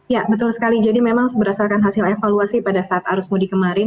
ya betul sekali jadi memang berdasarkan hasil evaluasi pada saat arus mudik kemarin